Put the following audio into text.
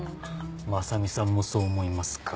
真実さんもそう思いますか。